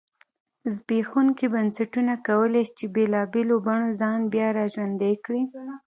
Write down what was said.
زبېښونکي بنسټونه کولای شي چې بېلابېلو بڼو ځان بیا را ژوندی کړی.